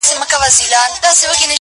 گوره اوښكي به در تـــوى كـــــــــړم_